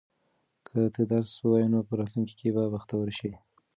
که ته درس ووایې نو په راتلونکي کې به بختور شې.